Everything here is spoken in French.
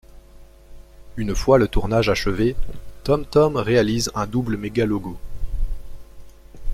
Une fois le tournage achevé, Thom Thom réalise un double megalogo.